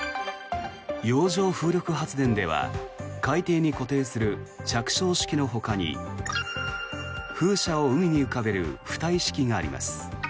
洋上風力発電では海底に固定する着床式のほかに風車を海に浮かべる浮体式があります。